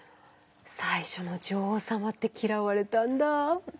最初の女王様って嫌われたんだ。